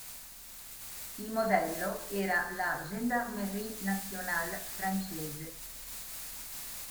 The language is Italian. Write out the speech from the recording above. Il modello era la Gendarmerie nationale francese.